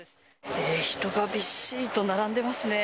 人がびっしりと並んでますね。